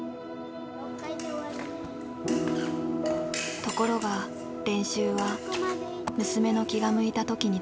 ところが練習は娘の気が向いた時にだけ。